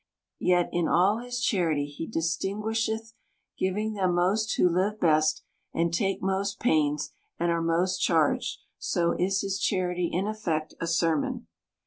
Yet, in all his charity, he distinguisheth ; giving them most who live best, and take most pains, and are most charged : so is his charity in effect a sermon.